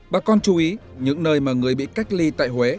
bà con chú ý những nơi mà người bị cách ly tại huế